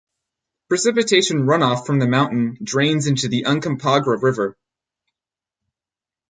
Precipitation runoff from the mountain drains into the Uncompahgre River.